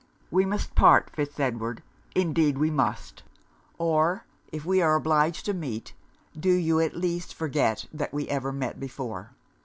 'We must part, Fitz Edward! Indeed we must! Or if we are obliged to meet, do you at least forget that we ever met before.